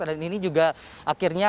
dan ini juga akhirnya